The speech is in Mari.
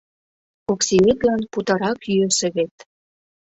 Оксиетлан путырак йӧсӧ вет...